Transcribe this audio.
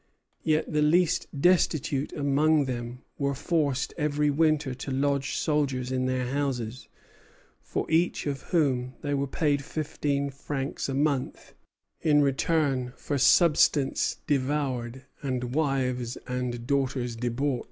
Yet the least destitute among them were forced every winter to lodge soldiers in their houses, for each of whom they were paid fifteen francs a month, in return for substance devoured and wives and daughters debauched.